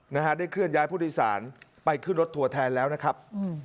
นะฮะได้เคลื่อนย้ายผู้โดยสารไปขึ้นรถทัวร์แทนแล้วนะครับอืม